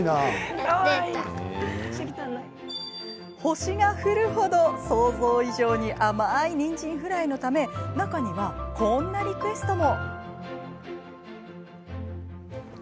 星が降る程、想像以上に甘いにんじんフライのため中には、こんなリクエストも。